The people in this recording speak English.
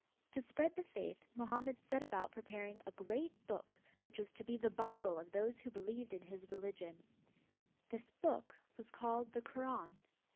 To spread the faith Mohammed set about preparing a great book which was to be the bible of those who believed in his religion. This book was called the Koran.